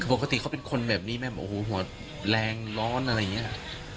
ปกติเขาเป็นคนแบบนี้ไหมโอ้โหหัวแรงร้อนอะไรอย่างนี้